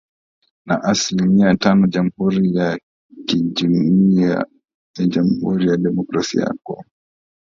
na asilimia tano Jamhuri ya KiJamuhuri ya Jamuhuri ya Demokrasia ya Kongo